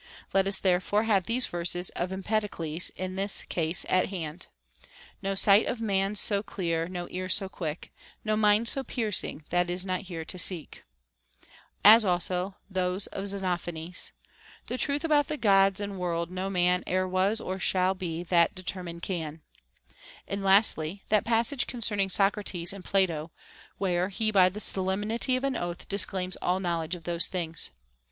Let us therefore have these verses of Empedocles, in this case, at hand :— No sight of man's so clear, no ear so quick, No mind so piercing, that's not here to seek; as also those of Xenophanes :— The truth about the Gods and world, no man E'er was or shall be that determine can ; and lastly, that passage concerning Socrates, in Plato, where he by the solemnity of an oath disclaims all knowl edge of those things.